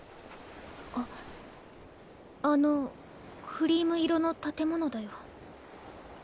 あっあのクリーム色の建物だよ。